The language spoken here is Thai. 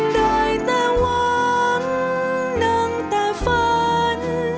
ได้แต่หวังนั่งแต่ฝัน